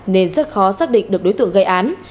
nên rất khó xác định được đối tượng gây án